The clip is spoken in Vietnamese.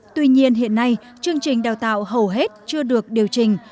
tuy nhiên hiện nay chương trình đào tạo hầu hết chưa được điều chỉnh